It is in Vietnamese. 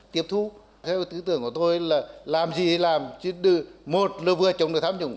tiếp thu theo tư tưởng của tôi là làm gì thì làm một là vừa chống được tham nhũng